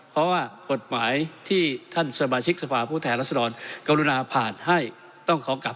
เพราะว่ากฎหมายที่ท่านสมาชิกสภาพผู้แทนรัศดรกรุณาผ่านให้ต้องขอกลับ